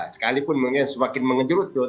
sekalipun semakin mengejut menjut